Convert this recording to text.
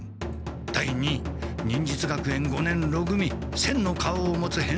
第二位忍術学園五年ろ組千の顔を持つへん